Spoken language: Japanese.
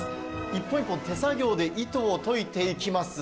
一本一本手作業で糸をといていきます。